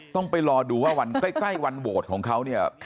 ต้องไปรอดูว่าวันใกล้วันโหวตของเขาเนี่ย